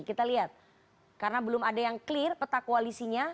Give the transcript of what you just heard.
kita lihat karena belum ada yang clear peta koalisinya